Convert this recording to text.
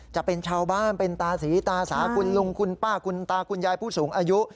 จะเป็นชาวบ้านเป็นตาสีตาสาคุณลุงคุณป้าคุณตาคุณยายผู้สูงอายุ